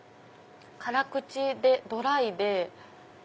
辛口でドライで。